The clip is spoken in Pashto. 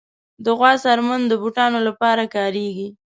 د غوا څرمن د بوټانو لپاره کارېږي.